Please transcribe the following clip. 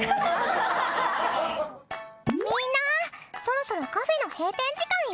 みんなそろそろカフェの閉店時間よ。